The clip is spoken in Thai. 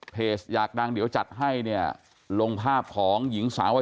เพจอยากดังเดี๋ยวจัดให้เนี่ย